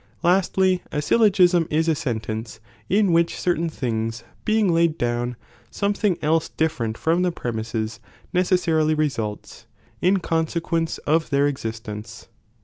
Lastly, a I'yUo^m.^ syllogism is a sentence in which certain things being laid down, something else different from the premises necessarily results, in consequence of their ex istence.